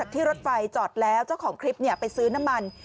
ที่รถไฟจอดแล้วเจ้าของคลิปไปซื้อน้ำมัน